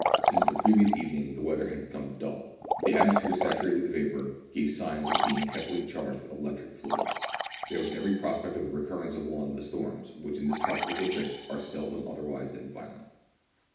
Since the previous evening the weather had become dull. The atmosphere, saturated with vapour, gave signs of being heavily charged with electric fluid. There was every prospect of the recurrence of one of the storms which in this tropical district are seldom otherwise than violent.